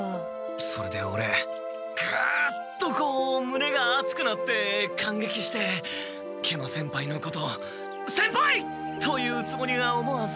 それでオレぐっとこうむねがあつくなってかんげきして食満先輩のこと「先輩！」と言うつもりが思わず。